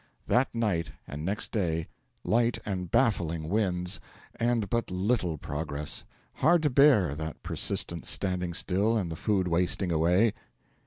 That night and next day, light and baffling winds and but little progress. Hard to bear, that persistent standing still, and the food wasting away.